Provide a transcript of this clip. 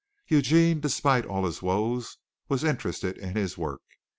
Eugene, despite all his woes, was interested in this work.